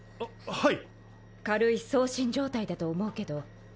はい。